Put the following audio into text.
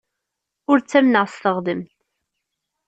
Ur ttamneɣ s teɣdemt.